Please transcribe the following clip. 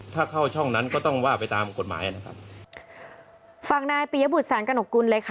ถ้าเข้าช่องนั้นก็ต้องว่าไปตามกฎหมายนะครับฟังนายปียบุตรแสงกระหกกุลเลยค่ะ